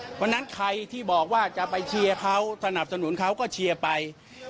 เพราะฉะนั้นใครที่บอกว่าจะไปเชียร์เขาสนับสนุนเขาก็เชียร์ไป